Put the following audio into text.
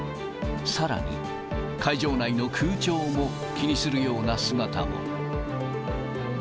さらに、会場内の空調も気にするような姿も。